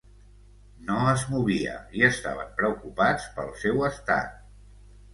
No es movia, i estaven preocupats pel seu estat.